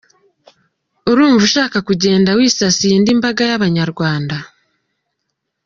Urumva ushaka kugenda wisasiye indi mbaga y’Abanyarwanda?